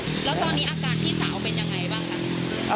แล้วตอนนี้อาการพี่สาวเป็นยังไงบ้างครับ